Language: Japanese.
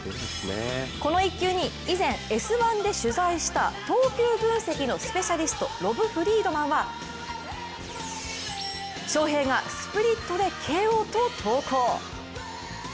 この１球に以前、「Ｓ☆１」で取材した投球分析のスペシャリストロブ・フリードマンは、ショウヘイがスプリットでＫＯと投稿。